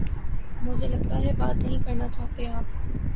مجھے لگتا ہے بات نہیں کرنا چاہتے آپ